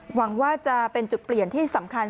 หวังว่าจะเป็นจุดเปลี่ยนที่สำคัญ